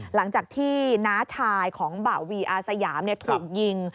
หลังจากที่น้าชายของบ่าวีอาสยามถูกยิง